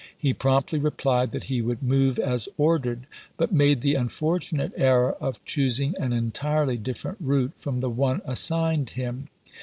He promptly replied that he would "move Ibid. as ordered"; but made the unfortunate error of choosing an entirely different route from the one assigned him.